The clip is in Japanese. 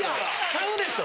ちゃうでしょ。